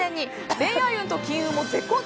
恋愛運と金運も絶好調。